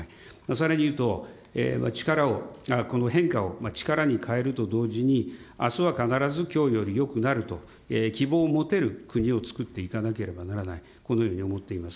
さらに言うと、力を、この変化を力に変えると同時にあすは必ずきょうよりよくなると、希望を持てる国をつくっていかなければならない、このように思っています。